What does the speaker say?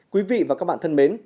quý vị và các bạn thân mến